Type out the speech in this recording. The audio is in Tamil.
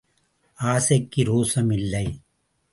ஆசைக்கு ரோசம் இல்லை.